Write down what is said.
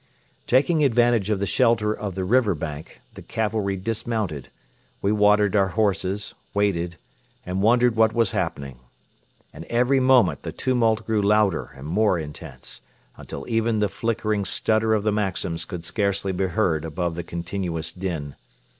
Taking advantage of the shelter of the river bank, the cavalry dismounted; we watered our horses, waited, and wondered what was happening. And every moment the tumult grew louder and more intense, until even the flickering stutter of the Maxims could scarcely be heard above the continuous din.